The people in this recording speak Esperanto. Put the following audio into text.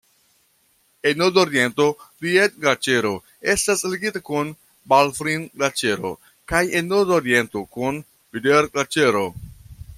En nordoriento Ried-Glaĉero Estas ligita kun Balfrin-Glaĉero kaj en nordoriento kun Bider-Glaĉero.